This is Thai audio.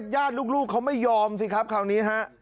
ญาติลูกเขาไม่ยอมสิครับคราวนี้ฮะ